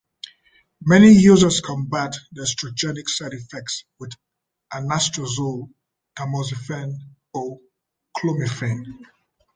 Many users combat the estrogenic side effects with anastrozole, tamoxifen or clomifene.